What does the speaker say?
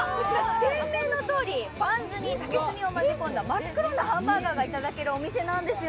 バンズに竹炭を混ぜ込んだ真っ黒なハンバーガーがいただけるお店なんですよ。